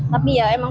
tapi ya emang kebisik